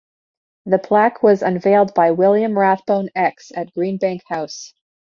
The plaque was unveiled by William Rathbone X at Greenbank House.